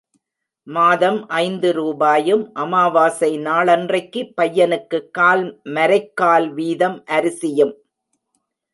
மாதம் ஐந்து ரூபாயும் அமாவாசை நாளன்றைக்கு பையனுக்குக் கால் மரைக்கால் வீதம் அரிசியும்.